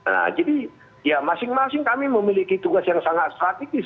nah jadi ya masing masing kami memiliki tugas yang sangat strategis